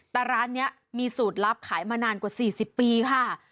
แต่ร้านนี้มีสูตรลับขายมานานกว่า๔๐ปีค่ะ